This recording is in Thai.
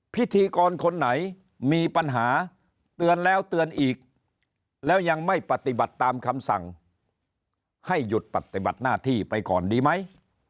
พิธีกรคนไหนมีปัญหาเตือนแล้วเตือนอีกแล้วยังไม่ปฏิบัติตามคำสั่งให้หยุดปฏิบัติหน้าที่ไปก่อนดีไหม